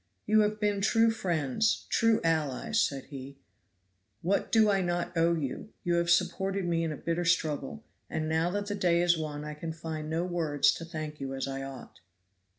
"You have been true friends, true allies," said he; "what do I not owe you! you have supported me in a bitter struggle, and now that the day is won I can find no words to thank you as I ought."